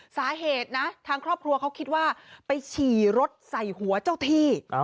สาเหตุนะทางครอบครัวเขาคิดว่าไปฉี่รถใส่หัวเจ้าที่